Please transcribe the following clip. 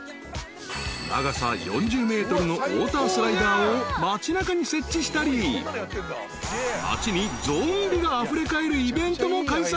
［長さ４０ｍのウオータースライダーを街なかに設置したり街にゾンビがあふれかえるイベントも開催］